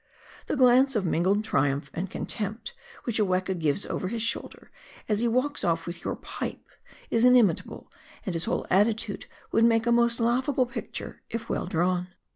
The glance of mingled triumph and contempt which a weka gives over his shoulder, as he walks off with your pipe, is inimitable, and his whole attitude would make a most laughable picture, if well drawn.